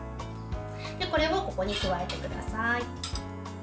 これをここに加えてください。